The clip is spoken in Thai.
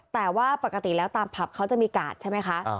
แต่ว่าปกติแล้วตามผับเขาจะมีกาดใช่ไหมคะ